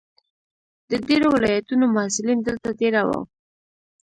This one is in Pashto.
د ډېرو ولایتونو محصلین دلته دېره وو.